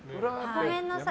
ごめんなさい。